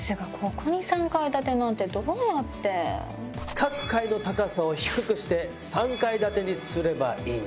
各階の高さを低くして３階建てにすればいいんです。